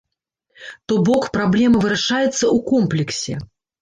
То бок, праблема вырашаецца ў комплексе.